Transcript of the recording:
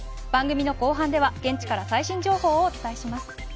番組の後半では、現地から最新情報をお伝えします。